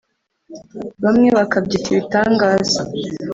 bamwe bakabyita ibitangaza